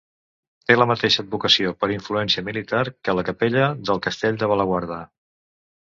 Té la mateixa advocació, per influència militar, que la capella del Castell de Bellaguarda.